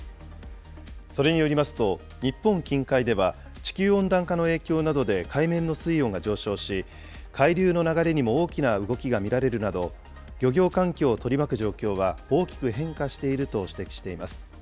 それによりますと、日本近海では、地球温暖化の影響などで海面の水温が上昇し、海流の流れにも大きな動きが見られるなど、漁業環境を取り巻く状況は大きく変化していると指摘しています。